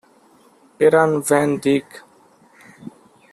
Peran van Dijk.